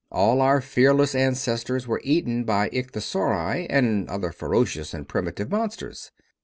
All our fearless ancestors were eaten by ichthyosauri and other ferocious and primitive monsters.